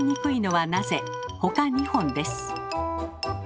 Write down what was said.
ほか２本です。